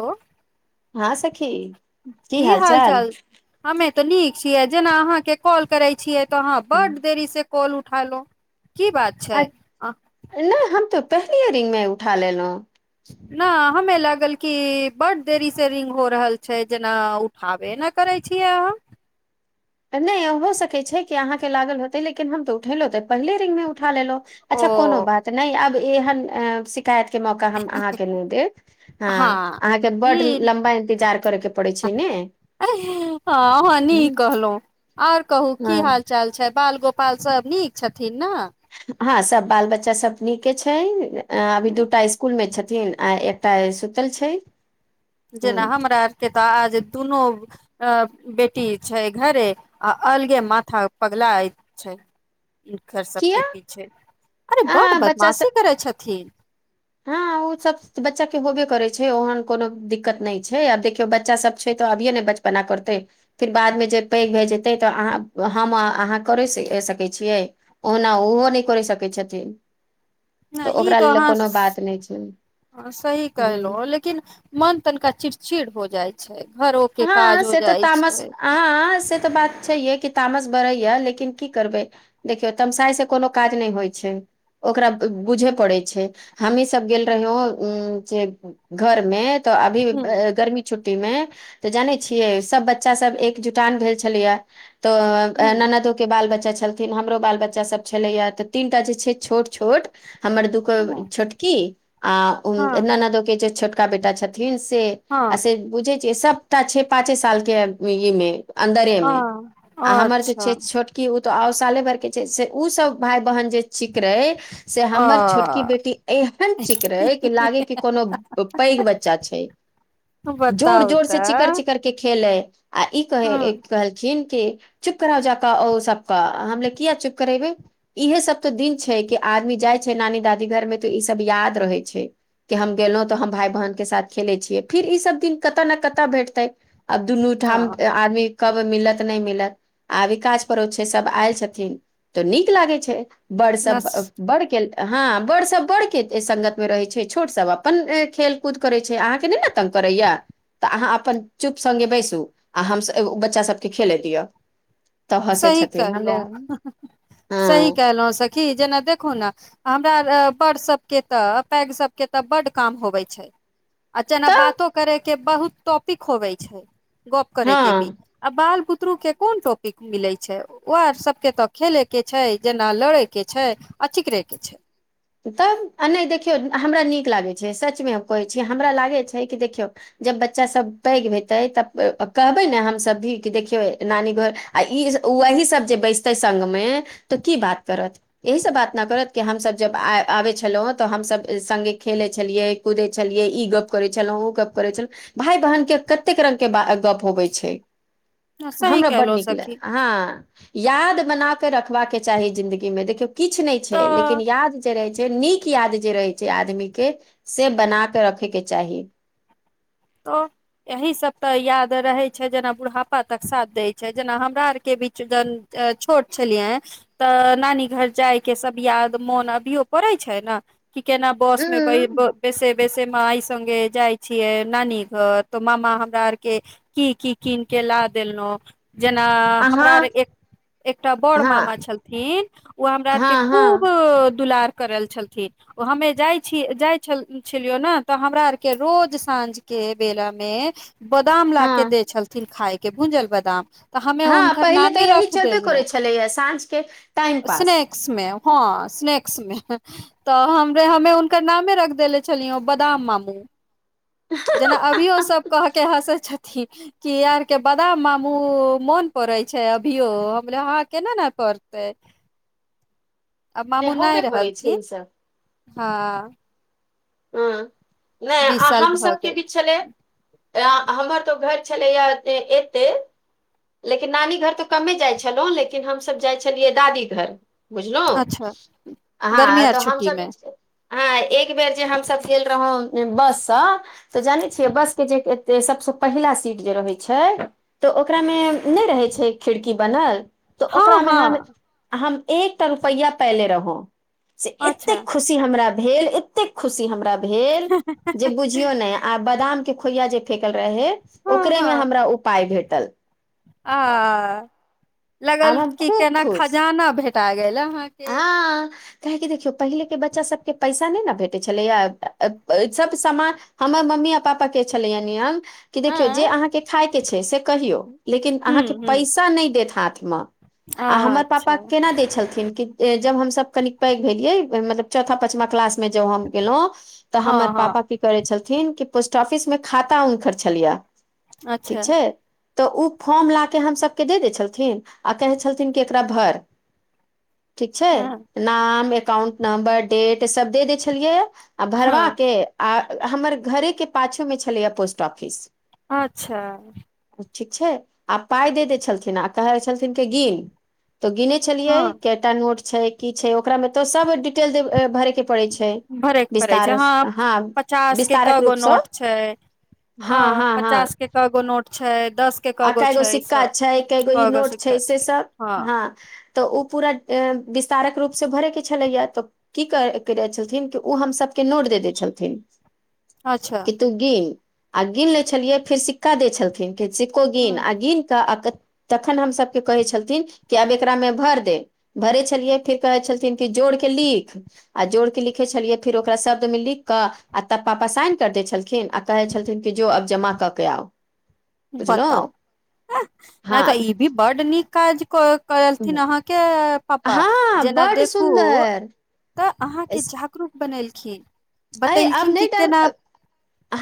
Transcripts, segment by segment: हो हाॅं सखी। की हाल चाल, हमे तऽ नीक छियै जेना अहाँके कॉल करै छियै तो अहाॅं बड देरी से कॉल उठायलौं, की बात अ नै हम तऽ पहलीये रिंग मे उठा लेलौं। ना हमे लागल की बड देरी से रिंग हो रहल छै जेना ऊ हाबे ना करै छीयै अहाँ नै हो सकै छै कि अहाँ के लागल होेते लेकिन हम तऽ उठेलहु तऽ पहिले रिंग में उठा लेलहुँ अच्छा कोनो ओ बात नहि आब एहन शिकायत के मौका हम अहाँके नहि देब। हाॅं हँ अहाँके बड ई लम्बा इंतजार करय के पड़े छै ने। हँ अहाँ नी कह और कहू की हँ हाल चाल छै, बाल गोपाल सब नीक छथिन न? हाॅं सब बाल बच्चा सब नीके छैन अ अभी दूटा स्कूल मे छथिन आ एक टा सुतल छै। ह जेना हमरा आरके तऽ आज दुनो आ बेटी छै घरे आ अलगे माथा पगलाईत छै। हीनकर किया सबके पीछे अरे बड आ बच्चा सब बदमाशी करै छथिन। उसब बच्चा के होबे करे छै ओहन कोनो दिक्कत नहि छै आब देखियौ बच्चा सब छै तऽ अभिये ने बच पना करतै फेर बादमे जे पैघ भए जेतै तऽ अहाँ हम अहाँ करि सकै छियै। ओना ओहो नहि करि सकै छथिन न, तऽ ई ओकरा लेल अहाँ कोनो बात स- नै छै सही इहो ई कहलहुँ लेकिन मन तनिका चिड़चिड़ हो जाइ छै घरो के काज हो जाइ छै हाँ से तऽ बात छैहै कि तामस बढ़ैय लेकिन की करबै देखियौ तमसाइ से कोनो काज नहि होइत छै ओकरा बुझे पड़ै छै हमी सब गेल रहियौं जे घरमे तऽ अभी ह गर्मी छुट्टी में तऽ जाने छियै सब बच्चा सब एकजुटान भेल छलैया तो ह ननदो- - के बाल बच्चा छलथिन हमरो बाल बच्चा सब छले या तऽ तीनटा जे छै छोट छोट हमर दूगो छोटकी आ उन हँ ननदो के जे छोट का बेटा छथिन से आ हँ से बुझे छिय सबटा छै पांचे साल के अ ई में अन्दरे अ मे आ हमर जे अच्छा छै छोट कि ऊ तऽ आओ साले भरके छै से ऊ सब भाय बहन जे चीकरै से हमर छोटकी अ बेटी एहन चिकरै के लागे के कोनो पैघ बच्चा छै। बताउ त करके खेले आ ई कहे कहलखिन की चुप कराउ जा क ओ सब क हम कहलीय किया चुप करैबे इहे सब तऽ दिन छै कि आदमी जाइ छै नानी दादी घरमे तऽ ई सब याद रहै छै। की हम गेलों तऽ हम भाय बहन के साथ खेले छियै फिर ई सब दिन कत न कत भेट तइ अब दुनूठाम ह आदमी कब मिलत नहि मिलत आ अभी काज पड़ो छै सब आयल छथिन तऽ नीक लागै छै बड़ न सब बड़के - - हँ बड़ सब बड़ के संगत में रहे छै छोट सब अपन खेल कूद करे छै अहाँ के नै ने तंग करैया तऽ अहाँ अपन चुप सङ्गे बैसू आ हमसभ ऊ बच्चा सबके खेले दिय सही कहलहु सही हँ कहलहु सखी जेना देखू ना हमर बड़ सभके तऽ पैघ सभके तऽ बड्ड काम होबे छै आ जेना तऽ बातो करे के बहुत टॉपिक होवे छै गप करेके भी हँ आ बाल बुतरू के कोन टॉपि मिलै छै, ओ आर सबके तऽ खेलैके छै जेना लड़ै के छै। आ चिकरै के छै। तब आ नहि देखियौ हमरा नीक लागै छै, सच में हम कहै छि, हमरा लागै छै कि देखियौ। जब बच्चा सब पैघ हेतै, तब कहबै ने हमसभ भी कि देखियौ नानी घर। आ ई वही सब जे बैसतै संगमें तऽ की बात करत। एहि सब बात न करत कि हम सब। जब आबै छलहुँ तऽ हमसभब सङ्गे खेलै छलियै, कूदै छलियै, ई गप्प करै छलहुँ, ओ गप्प करै छलहुॅ। भाय-बहिन के कतेक रंग के बा गप्प होबै छै। सही हमरा बड्ड कहलो नीक ल सखी हँ। याद बना कऽ रखबाक चाही जिन्दगी में, देखियौ किछ नहि छै, तऽ लेकिन याद। जे रहै छै, नीक याद जे रहै छै आदमी के से बना क रखेके चाही। तऽ। यही सब त याद रहै छै, जेना बुढ़ापा तक साथ दैय छै, जेना हमरा आर के बीच जन। आ छोट छलयै। तऽ नानी घर जायके सभ याद मोन अभियो पड़ै छै ने। कि केना बस में उंम्म बेसे-बेसे माइ संगे जाय छियै। नानी घर त मामा हमरा आर के की-की कीन के ला देलनो। जेना हमरा अर अहाँ एक। एकटा बड़ हँ मामा छलथिन, ओ हमरा आर के हँ खूब हँ दुलार। करल छलथिन, ओ हमे जाइ, जाइ छलियो ने तऽ हमरा आरके रोज साँझ। के बेला में बादाम ला के हँ देै छलथिन खायके, भूजल बादाम। तऽ हमने हँ हुनकर पहिले तऽ नामे यही रखि चलबे देलियौं करै छलैए साँझके टाइम पास स्नेक। में हँ स्नैक्स में। तऽ हमने हमे हुनकर नामे रख देले छलियै बदाम मामू। जेना अभियो सभ कहके हँसै छथिन। कि आरके बदाम मामू मोन पड़े छै अभियो, हम कहलियै हँ केना ने पड़। तैं, आब मामु नहि होबे करै छै रहलथिन ईसभ हँ। ह बीस नहि साल हम भऽ सबके गेल भी छलै। हमर त घर छलैए एतै। लेकिन नानी घर तऽ कमे जाइ छलहुँ, लेकिन हमसभ जाइ छलियै दादी घर। बुझलौं अच्छा गर्मी हँ आर तऽ छुट्टी मे हमसब। हाँ, एक बेर जे हमसब गेल रहौ बस से तऽ जानै छियै बस के जे। जे सबसँ पहिला सीट जे रहैत छै तऽ ओकरा में नहि रहै छै खिड़की बनल। तऽ हँ ओकरा में हम, हँ हम एकटा रुपैआ पएले रहौ से अच्छा एतेक खुशी। खुशी हमरा भेल, एतेक खुशी हमरा भेल जे बुझ। झियौ नहि, आ बदाम के खोइया जे फेेकल रहै हँ ओकरे हँ में हमरा उ पाय भेटल। आ, आब लागल हम कि खूब जेना खुश खजाना भेटा गेल अहाँके। हँ काहेकि देखियौ पहिलेके बच्चा सबके पैसा नहि ने भेटै छलैये, सब समान। हमर मम्मी आ पापा के छलैये नियम। कि देखियौ जे हँ अहाँके खाय के छै से कहियौ, लेकिन हूँ अहाँके हूँ पैसा नहि देत हाथ में। आ हमर पापा अच्छा केना दै छलखिन कि। ए जब हमसब कनी पैघ भेलिये, मतलब चौथा- पँचमा क्लास। में जब हम गेलहुँ तऽ हँ हमर हँ पापा। की करै छलथिन कि पोस्ट ऑफिस में खाता हुनकर छलैयै, ठीक अच्छा छै। तऽ ओ फॉर्म ला क हमसभके दे दै छलथिन आ कहै छलथिन कि एकरा भर। ठीक छैय हँ नाम, एकाउंट नंबर डेट सब दे दै छलियैए। आ भरवा हँ के आ हमर घरे के पाछु मे छलैया पोस्ट ऑफिस। अच्छा। ठीक छैय आ पाइ दे देै छलथिन आ कहै छलखिन की गिन तऽ गिने छलियै हँ कयटा नोट छैय की छैय ओकरामे त सब डिटेल भरयके भरयके पड़ै छैय, हँ पचास के कय विस्तारक गो रूपसँ नोट छैय। हँ पचास के कए गो नोट छैय दस के क आ कए गो छै सिक्का सब छैय, कए गो ई क नोट छैय, सिक्का से छै सब हँ। तऽ ओ पूरा विस्तारक रूप से भरयके छलैये तऽ। की करै छलखिन कि ओ हम सभके नोट दे दै छलथिन। अच्छा कि तू गिन आ गिन लै छलियै फेर सिक्का देै छलखिन। कि सिक्का को गिन हम्म आ गिन कऽ आ तखन हम सभके कहै छलथिन कि आब एकरा मे भर दे। भरै छलियै, फिर कहै छलथिन कि जोड़ के लिख। आ जोड़ के लिखै छलियै। फिर ओकरा शब्द मे लिख क आ तब पापा साइन कर देल छलखिन। आ कहै छलथिन कि जो अब जमा कऽ के आउ। बताउ बुझलहुँ हऽ ने तऽ ई भी बड नीक काज क करेलथिन हँ अहाँके पापा, हँ जेना बड्ड देखु सुन्दर तऽ अहाँके जाग रूप बनेलखिन, अय आब बतेलखिन की नहि केना डर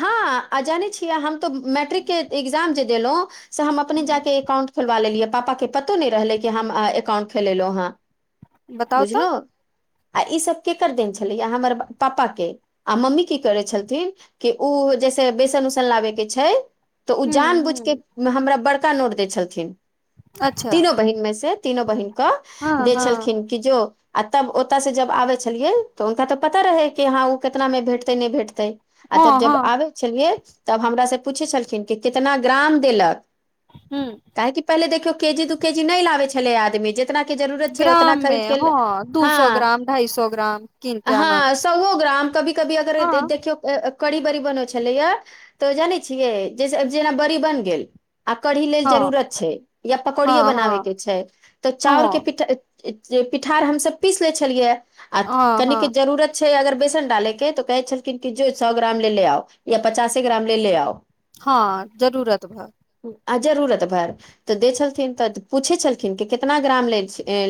हँ जानै छियै। हम तऽ मैट्रिकके एग्जाम जे देलहुँ। से हम अपने हूँ, जाके एकाउंट खोलवा लेलियै। पापा के पतो नहि रहलै कि हम एकाउंट खोलेलहुँ हेँ। बताउ तऽ बुझलहु आ ईसभ केकर देने छलैये हमर पापा के। आ मम्मी की करै छलथिन कि ओ जैसे बेसन उसन लाबैके छैय। तऽ ओ ह जान बुझ के ह हमरा बड़का नोट दै छलथिन, अच्छा तीनो बहिन मे से। तीनो बहिनक कऽ हँ दै हँ छलखिन कि जो आ तब ओतऽ से जब आबे छलियै तऽ हुनका तऽ पता रहै कि हँ ओ के केतना मे भेटतै नै भेटतै आ तब हँ जब हँ आबै छलियै तब हमरा से पूछै छलखिन कि कितना ग्राम देलक। हूँ। काहेकि पहिले देखियौ केजी दू केजी नै लाबे छलै। आदमी जे जितना के जरूरत छैय उतना ग्राम मे खरीद के, हँ दू सए हाँ ग्राम ढाई सए ग्राम कीन के आन हाँ सौओ ग्राम कभी कभी अगर हँ देखियौ कड़ी बड़ी बनै छलैया। तऽ जानै छियै जेना बड़ी बन गेल आ कढ़ी लेल हँ जरूरत छैय या पकौड़िये हँ बनाबे हँ के छैय तऽ चाउर के हँ पीठा पिठार हमस पीस ले छलियै आ हँ कनिक हँ जरूरत छैय अगर बेसन डालेके तो कहै छलखिन कि जो सौ ग्राम ले ले आउ या पचासे ग्राम ले ले आउ। हँ जरूरत भर। आ जरूरत भर। तऽ देै छलथिन। तऽ पूछै छलखिन कि कितना ग्राम लेल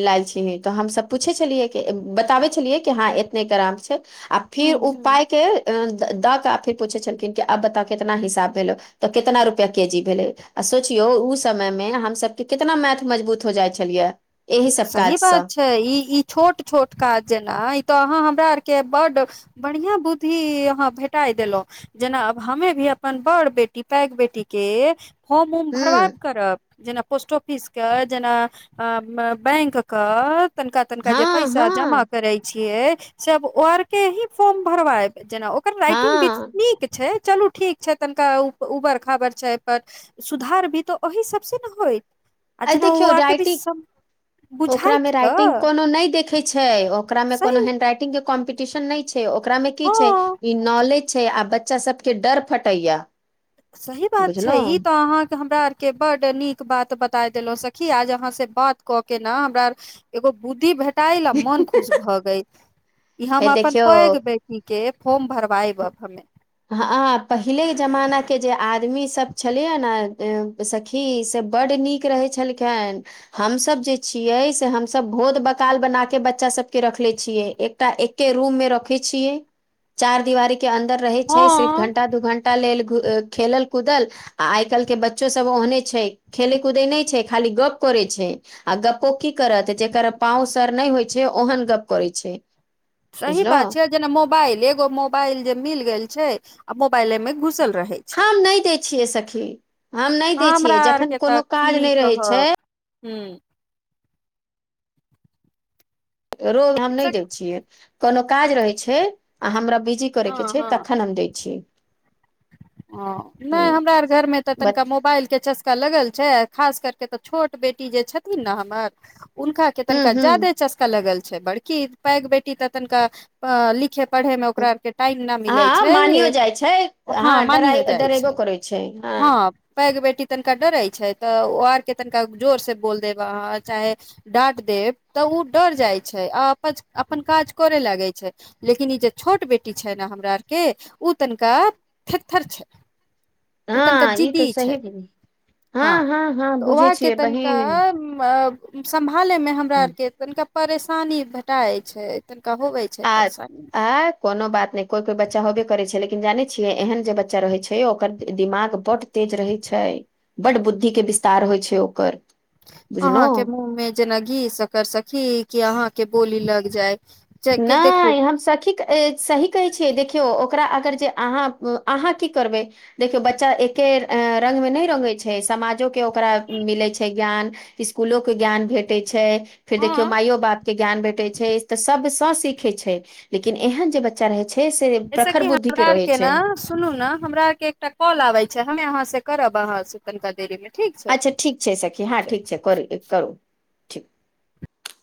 लाय छिय। तऽ हमसभ पूछै छलियै कि बताबै छलियै कि हँ एतने ग्राम छैय आ ह फिर ओ ह पाय के अं द द के आ फेर पूछे छलखिन की आब बता कितना हिसाब भेलो। तऽ कितना रुपैआ केजी भेलै आ सोचियौ ओ समयमे हमसभके कितना मैथ मजबूत हो जाइत छलियै। एहि सब सही काजसँ बात छैय। ई ई छोट छोट काज जेना ई तऽ अहाँ हमरा आरके बड्ड बढ़िया बुद्धि अहां भेटाय देलों। जेना अब हमे भी अपन बड़ बेटी पैघ बेटी के फोम उम भरबाए हूँ करब। जेना पोस्ट ऑफिसके जेना बैंक क तनिका तनिका जे हँ पैसा जमा हँ करे छियै। सब ओ आर के ही फॉर्म भरवायब, जेना ओकर राइटिंग नि हँ नीक छै, चलू ठीक छै तनिका उबर खबर छै पर सुधार भी तऽ ओह सबसँ ने होइ, आ जेना ओ आके भी ओकरा बुझाइत में राइटिंग तऽ कोनो नहि देखे छै, ओकरा मे सही कोनो हेंड रइटिंग के कॉम्पिटिशन नहि छ ओकरामे की छै, हँ ई नॉलेज छै, आ बच्चा सबके डर फटैया। सही बात छै, बुझलहु ई तऽ अहाँके हमरा के बड नीक बात बताय देलो सखी, आज अहाँ से बात क के ने हमरा एगो बुद्धि भेटाईल आ मन खुश भ गेल, ई हे हम अपन देखियौ पैघ बेै ठीके फोर्म भरबाई अब हम हँ, पहिलेके जमाना के जे आदमीसभ छलैया ने ए स खी से बड्ड नीक रहै छलखनि। हमस जे छियै से हमस भोध बकाल बना क बच्चा सबके रखले छियै एक टा एके रूम में रखे छियै, चार दिवारी के अन्दर रहे छै से हँ घण्टा, दू घण्टा लेल खेलल कूदल आ आइ काल के बच्चोसब ओहने छैय, खेलै कूदैत नय छैय खाली गप्प करैत छैय। आ गप्पो की करत जकर पाँंव सर नय होइ छैय ओहन गप्प करैत छैय। सही बात छैय, जेना मोबाइल एगो मोबाइल जे मिल गेल छैय आ मोबाइल ए में घुसल रहे। हम नए दैय छियै सखी, हम नइ दैय हमरा छियै, जखन कोनु काज नइ रहै छैय हू। रोज हम नय दैय छियै, कोनो काज रहै छैय आ हमरा बिजी करै के हँ छैय हँ तखन हम दैय छीय। हँ, नइ हमरा अर घर मे तऽ तनका बट मोबाइल के चस लगल छैय खास करके तऽ छोट बेटी जे छेथिन ना हमर उनका के हूँ तनका हूँ ज्यादे चस्का लगल छैइ, बड़की पैघ बेटी तऽ तनका अ लिखे पढ़ैमे ओकरा के टाइम नइ मिलै छैय ए हैइ हँ अहाँ डरा मानियो जाइ डराबो छै करै छैय हाँ। हँ पैघ बेटी तनका डरै छैय तऽ और के तनका जोर से बोल देब अहाँ चाहे डाँट देब तऽ ओ डर जाइ छैय आ अपन अपन काज करे लगे छैय। लेकिन ई जे छोट बेटी छैय ना हमरा आर के उ तनका थेथर छैय, ओ तनिका हँ ई तऽ जिद्दी छैय। सही हँ, हँ तऽ बुझै ऊहके छियै तनका बहिन अ समभाले में हमरा और के, तनिका परेशानी भेटा छैय, तनिका होवे छै। आ परेशानी -आ। कोनो बात नई, कोइ -कोइ बच्चा होबे करै छै, लेकिन जानै छियै, एहन जे बच्चा रहै छै, ओकर दिमाग बड तेज रहै छै, बड बुद्धि के विस्तार होइ छै ओकर। बुझलहु अहाँके मुँह मे जेना घी सकर सखी! कि अहाँके बोली लग जाय। के देखू नइ हम सखीके सही कहै छियै, देखियौ, ओकरा अगर जे अहाँ अहाँ की करबै? देखियौ, बच्चा एके रंगमे नइ रंगगैत छैइ, समाजोके ओकरा मिलैत छैइ ज्ञान। स्कूलक के ज्ञान भेटैत छैय। फेर देखियौ, हँ माइयो बाप के ज्ञान भेटैत छैइ, तऽ सभ स सीखे छैइ, लेकिन एहन जे बच्चा चढै छै से, जैसे प्रखर कि बुद्धि के हमरा आर रहै ने छैय। सुनू ने हमरा आर के एकटा कॉल आबे छै, हमे अहाँ से करब अहाँ से तनिका देरी मे। ठीक अच्छा छै ठीक छैय सखी! हँ, ठीक छैइ, करू- करू।